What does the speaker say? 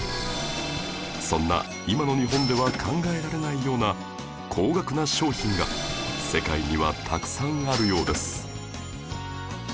そんな今の日本では考えられないような高額な商品が世界にはたくさんあるようです